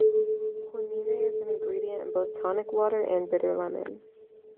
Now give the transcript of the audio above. Quinine is an ingredient in both tonic water and bitter lemon.